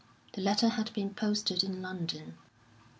The letter had been posted in London.